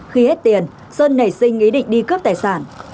khi hết tiền sơn nảy sinh ý định đi cướp tài sản